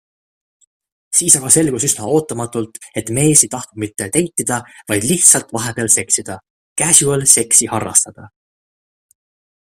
Siis aga selgus üsna ootamatult, et mees ei tahtnud mitte deitida, vaid lihtsalt vahepeal seksida, casual sex'i harrastada.